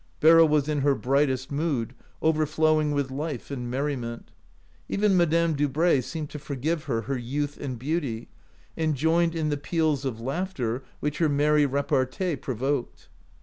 Beryl was in her brightest mood, overflowing with life and merriment. Even Madame Dubray seemed to forgive her her youth and beauty, and joined in the peals of laughter which her merry repartee pro voked.